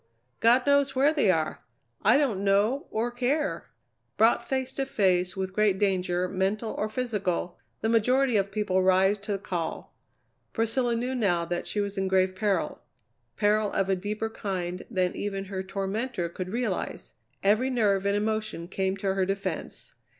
God knows where they are! I don't know or care." Brought face to face with great danger, mental or physical, the majority of people rise to the call. Priscilla knew now that she was in grave peril peril of a deeper kind than even her tormentor could realize. Every nerve and emotion came to her defence.